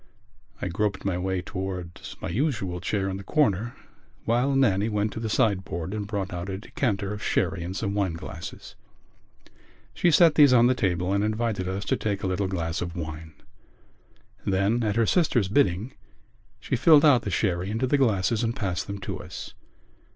I groped my way towards my usual chair in the corner while Nannie went to the sideboard and brought out a decanter of sherry and some wine glasses. She set these on the table and invited us to take a little glass of wine. Then, at her sister's bidding, she filled out the sherry into the glasses and passed them to us.